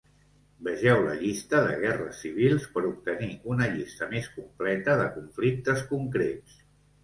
Vegeu la llista de guerres civils per obtenir una llista més completa de conflictes concrets.